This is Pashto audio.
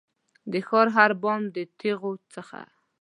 د ښار د هر بام د تېغو څخه